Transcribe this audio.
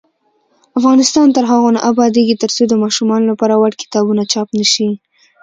افغانستان تر هغو نه ابادیږي، ترڅو د ماشومانو لپاره وړ کتابونه چاپ نشي.